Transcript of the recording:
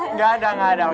enggak ada enggak ada oke